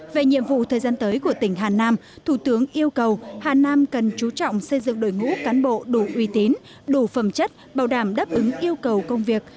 về nhiệm vụ thời gian tới của tỉnh hà nam thủ tướng yêu cầu hà nam cần chú trọng xây dựng đội ngũ cán bộ đủ uy tín đủ phẩm chất bảo đảm đáp ứng yêu cầu công việc